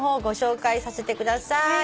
ご紹介させてください。